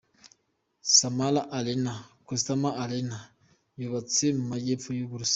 Samara Arena “Cosmos Arena” yubatse mu Majyepfo y’u Burusiya.